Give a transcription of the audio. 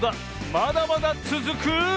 まだまだつづく。